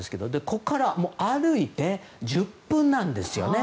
ここからは歩いて１０分なんですよね。